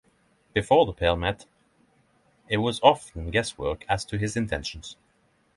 Before the pair met, it was often guesswork as to his intentions.